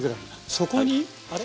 そこにあれ？